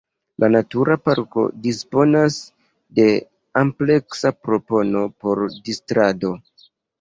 La Natura Parko disponas de ampleksa propono por distrado.